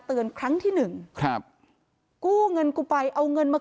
ครั้งที่หนึ่งครับกู้เงินกูไปเอาเงินมา